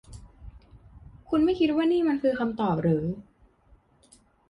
คุณไม่คิดว่านี้มันคือคำตอบหรือ ?